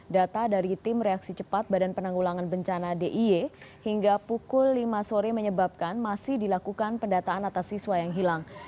data dari tim reaksi cepat badan penanggulangan bencana d i e hingga pukul lima sore menyebabkan masih dilakukan pendataan atas siswa yang hilang